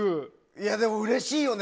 でもうれしいよね